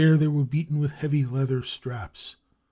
They were beaten with heavy leather straps.